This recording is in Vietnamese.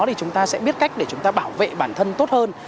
thì chúng ta sẽ biết cách để chúng ta bảo vệ bản thân tốt hơn